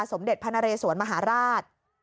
สมเด็จพระนเรสวนมหาราช